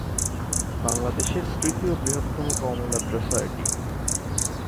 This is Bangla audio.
বাংলাদেশের তৃতীয় বৃহত্তম কওমি মাদ্রাসা এটি।